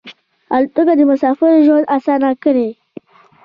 الوتکه د مسافرو ژوند اسانه کړی.